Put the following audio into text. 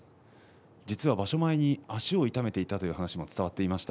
実は場所前に足を痛めていたという話も伝わっています。